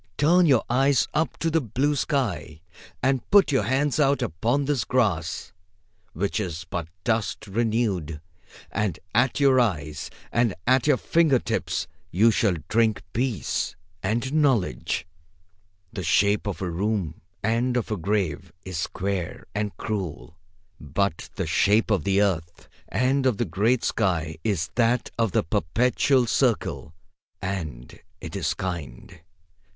Turn your eyes up to the blue sky, and put your hands out upon this grass, which is but dust renewed, and at your eyes and at your fingers you shall drink peace and knowledge. The shape of a room and of a grave is square and cruel, but the shape of the earth and of the great sky is that of the perpetual circle, and it is kind.